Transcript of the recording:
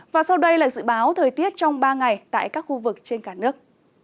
và sau đây là dự báo thời tiết trong ba ngày tại các khu vực trên cả nước